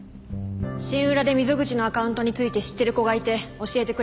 シンウラで溝口のアカウントについて知ってる子がいて教えてくれました。